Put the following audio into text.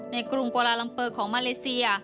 ในกรุงกวลาลังเปิกของมาเลเซีย